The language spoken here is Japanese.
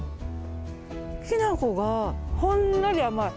きな粉がほんのり甘い。